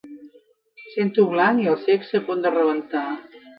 Cent u blanc i el sexe a punt de rebentar.